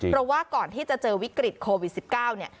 เพราะว่าก่อนที่จะเจอวิกฤตโควิด๑๙เนี่ย